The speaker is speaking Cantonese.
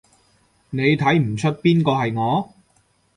你睇唔岀邊個係我？